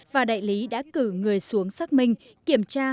và đại lý đã cử người xuống xác minh kiểm tra